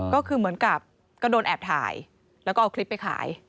ก็คือเหมือนกับก็โดนแอบถ่ายแล้วก็เอาคลิปไปขาย